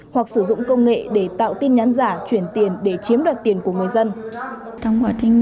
hoặc sử dụng công nghệ để tạo tin nhắn giả chuyển tiền để chiếm đoạt tiền của người dân